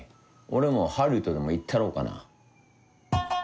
俺もハリウッドでも行ったろうかな。